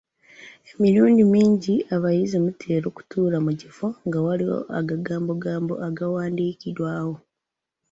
Emirundi mingi abayizi mutera okutuula mu kifo nga waliwo agagambogambo agawadiikiddwawo.